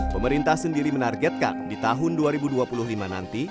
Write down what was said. pemerintah sendiri menargetkan di tahun dua ribu dua puluh lima nanti